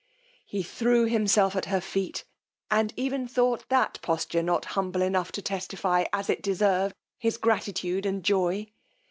He threw himself at her feet, and even thought that posture not humble enough to testify, as it deserved, his gratitude and joy.